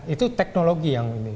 itu teknologi yang ini